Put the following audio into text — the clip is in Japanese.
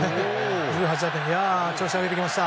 １８打点、調子あげてきました。